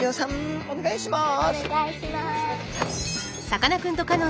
お願いします。